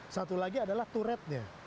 satu lagi adalah turretnya